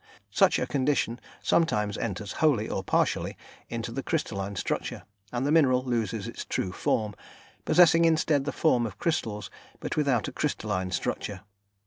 Such a condition sometimes enters wholly or partially into the crystalline structure, and the mineral loses its true form, possessing instead the form of crystals, but without a crystalline structure.